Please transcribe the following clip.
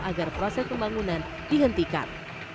agar proses pembangunan dihentikan